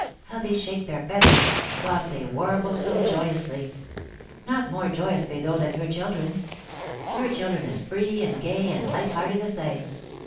How they shake their feathers, whilst they warble so joyously; not more joyously, though, than your children, your children as free, and gay, and light hearted as they!